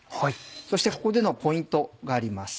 そしてここでのポイントがあります。